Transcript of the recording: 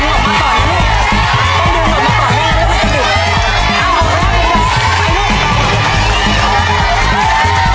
ดึงออกมาก่อนนะนี่